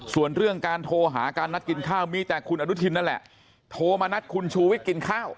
ส่วนเรื่องการโทรหาการนัดกินข้าวมีแต่คุณอนุทินนั่นแหละโทรมานัดคุณชูวิทย์กินข้าว